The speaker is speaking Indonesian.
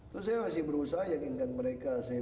terus saya masih berusaha yakin kan mereka